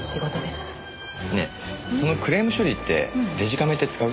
ねえそのクレーム処理ってデジカメって使う？